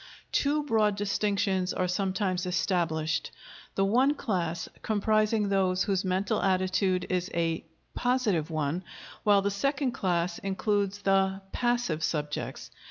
Two broad distinctions are sometimes established, the one class comprising those whose mental attitude is a "positive" one while the second class includes the "passive" subjects.